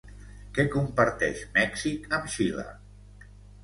Què comparteix Mèxic amb Xile?